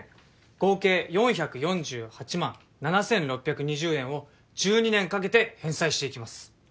合計４４８万７，６２０円を１２年かけて返済していきます。